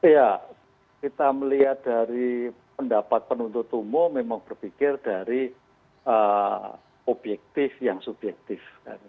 ya kita melihat dari pendapat penuntut umum memang berpikir dari objektif yang subjektif